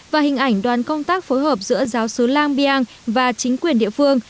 và hình ảnh đoàn công tác phối hợp giữa giáo sứ lang biang và chính quyền địa phương